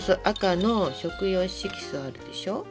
赤の食用色素あるでしょ？